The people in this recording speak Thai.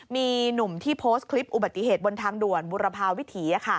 มีหนุ่มที่โพสต์คลิปอุบัติเหตุบนทางด่วนบุรพาวิถี